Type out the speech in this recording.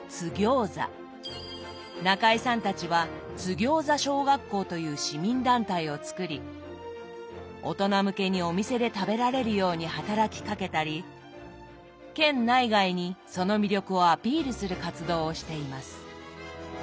中井さんたちは津ぎょうざ小学校という市民団体を作り大人向けにお店で食べられるように働きかけたり県内外にその魅力をアピールする活動をしています。